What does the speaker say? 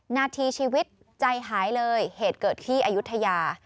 นาทีชีวิตใจหายเลยเหตุเกิดที่อายุทยา